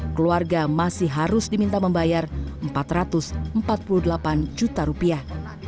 keluarga masih harus diminta membayar empat ratus empat puluh delapan juta rupiah